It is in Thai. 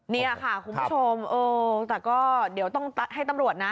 นี่ค่ะคุณผู้ชมเออแต่ก็เดี๋ยวต้องให้ตำรวจนะ